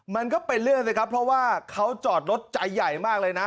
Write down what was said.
มันก็เป็นเรื่องสิครับเพราะว่าเขาจอดรถใจใหญ่มากเลยนะ